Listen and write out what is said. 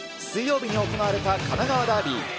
水曜日に行われた神奈川ダービー。